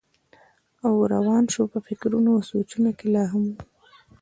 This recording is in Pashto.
او روان شو پۀ فکرونو او سوچونو کښې لاهو وم